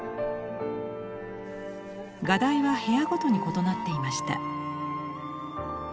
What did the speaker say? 画題は部屋ごとに異なっていました。